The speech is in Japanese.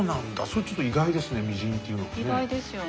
それちょっと意外ですねみりんというのがね。